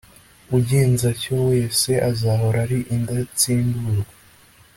ugenza atyo wese, azahora ari indatsimburwa